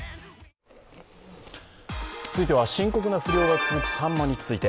続いては深刻な不漁が続くさんまについて。